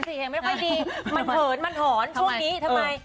เสียงไม่ค่อยดีมันเหินมันหอนช่วงนี้ทำไม